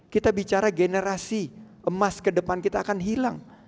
kita bicara generasi emas ke depan kita akan hilang